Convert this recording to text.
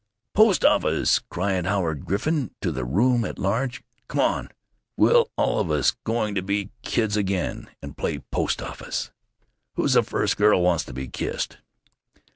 "Post office!" cried Howard Griffin to the room at large. "Come on! We're all of us going to be kids again, and play post office. Who's the first girl wants to be kissed?"